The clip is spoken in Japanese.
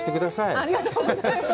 ありがとうございます。